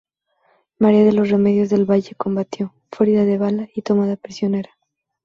María de los Remedios del Valle combatió, fue herida de bala y tomada prisionera.